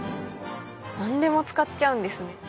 なんでも使っちゃうんですね。